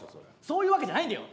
そういうわけじゃないんだよ。